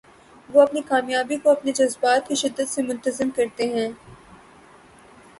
وہ اپنی کامیابی کو اپنے جذبات کی شدت سے منتظم کرتے ہیں۔